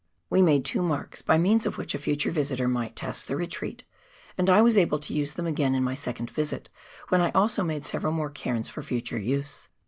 We made two marks by means of which a future visitor might test the retreat, and I was able to use them again in my second visit, when I also made several more cairns for future use.